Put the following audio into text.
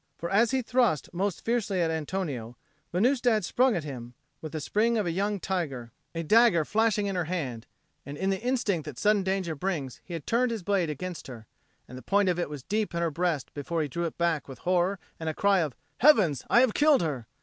For as he thrust most fiercely at Antonio, Venusta had sprung at him with the spring of a young tiger, a dagger flashing in her hand, and in the instinct that sudden danger brings he had turned his blade against her; and the point of it was deep in her breast before he drew it back with horror and a cry of "Heavens! I have killed her!"